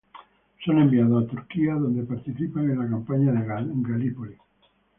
Son enviados a Turquía, donde participan de la campaña de Galípoli.